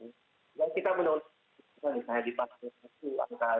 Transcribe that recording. yang kita menunjukkan misalnya di pasir satu angka enam puluh